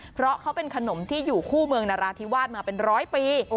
เพราะเขาเป็นขนมที่อยู่คู่เมืองนราธิวาสมาเป็นร้อยปี